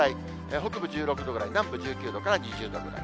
北部１６度ぐらい、南部１９度から２０度ぐらい。